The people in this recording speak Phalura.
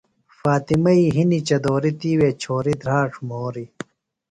فاطمئی ہِنیۡ چدوریۡ، تِیوےۡ چھوری دھراڇ مُھوریۡ